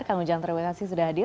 kang ujang terima kasih sudah hadir